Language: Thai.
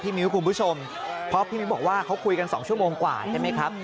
มิ้วคุณผู้ชมเพราะพี่มิ้วบอกว่าเขาคุยกัน๒ชั่วโมงกว่าใช่ไหมครับ